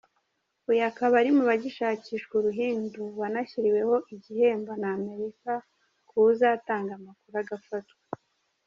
Uyu akaba ari mu bagihigishwa uruhindu, wanashyiriweho igihembo n’Amerika ku wuzatanga makuru agafatwa.